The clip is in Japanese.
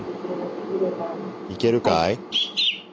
いけるかい？